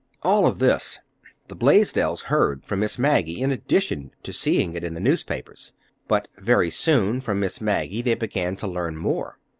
All of this the Blaisdells heard from Miss Maggie in addition to seeing it in the newspapers. But very soon, from Miss Maggie, they began to learn more.